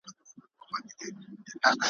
مکاري سترګي د رقیب دي سیوری ونه ویني `